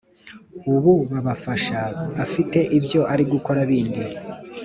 ububabafasha afite ibyo ari gukora bindi